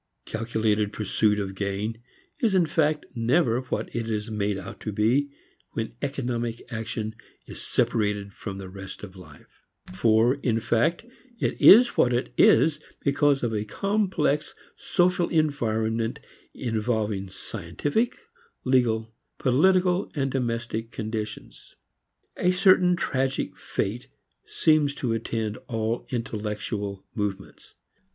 Calculated pursuit of gain is in fact never what it is made out to be when economic action is separated from the rest of life, for in fact it is what it is because of a complex social environment involving scientific, legal, political and domestic conditions. A certain tragic fate seems to attend all intellectual movements.